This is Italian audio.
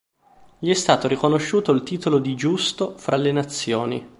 Gli è stato riconosciuto il titolo di giusto fra le nazioni.